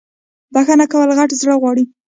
بخښنه کول غت زړه غواړی